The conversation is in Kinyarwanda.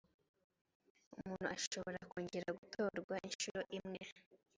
umuntu ashobora kongera gutorwa inshuro iimwe